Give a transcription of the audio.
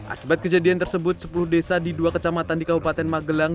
akibat kejadian tersebut sepuluh desa di dua kecamatan di kabupaten magelang